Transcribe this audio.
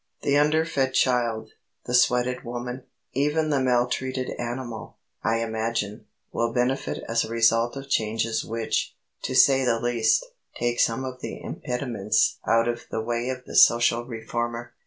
The underfed child, the sweated woman even the maltreated animal, I imagine will benefit as a result of changes which, to say the least, take some of the impediments out of the way of the social reformer.